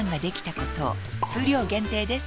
数量限定です